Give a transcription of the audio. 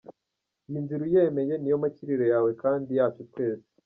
Iyi nzira uyemeye, niyo makiriro yawe kandi yacu twese.